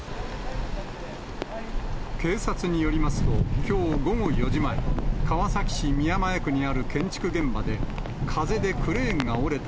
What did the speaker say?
警察によりますと、きょう午後４時前、川崎市宮前区にある建築現場で、風でクレーンが折れた。